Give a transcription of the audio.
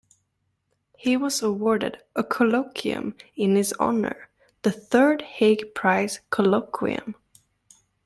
He was awarded a colloquium in his honour: The Third Hague Prize Colloquium.